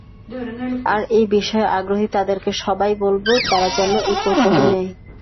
যারা এই বিষয়ে আগ্রহী তাদের সবাইকে বলব তারা যেন এই কোর্সটি নেয়।